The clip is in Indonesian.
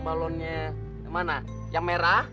balonnya mana yang merah